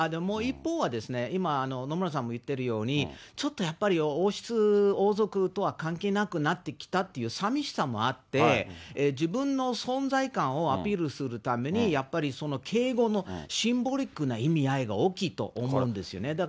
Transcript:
もう一方は、今、野村さんも言ってるように、ちょっとやっぱり、王室、王族とは関係なくなってきたっていう寂しさもあって、自分の存在感をアピールするために、やっぱり警護のシンボリックな意味合いが大きいと思うんですよね。